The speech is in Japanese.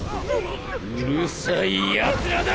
うるさいヤツらだ！